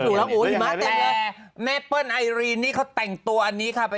ดูแล้วหิมะแต่แต่แม่เพิ่มไอรินนี่เขาแต่งตัวอันนี้ค่ะ